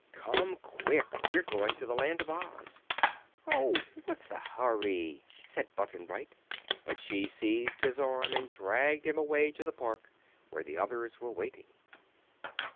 "Come quick. We're going to the Land of Oz." "Oh, what's the hurry?" said Button Bright; but she seized his arm and dragged him away to the park, where the others were waiting.